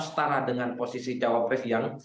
setara dengan posisi cawapres yang